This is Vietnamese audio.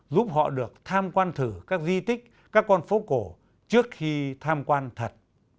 giúp họ được tham quan thử các di tích các con phố cổ trước khi tham quan thật